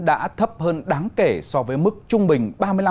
đã thấp hơn đáng kể so với mức trung bình